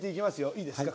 いいですか？